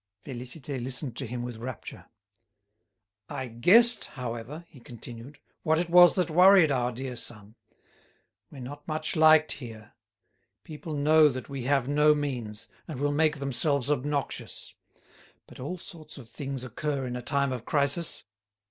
Félicité listened to him with rapture. "I guessed, however," he continued, "what it was that worried our dear son. We're not much liked here. People know that we have no means, and will make themselves obnoxious. But all sorts of things occur in a time of crisis.